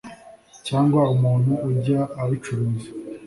cyangwa umuntu ujya abicuruza